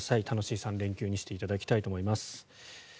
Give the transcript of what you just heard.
楽しい３連休にしていただきたいと思います。